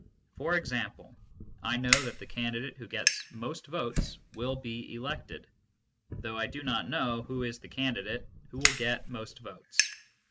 For example, I know that the candidate who gets most votes will be elected, though I do not know who is the candidate who will get most votes.